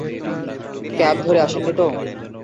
Cab ধরে আসেননি তো?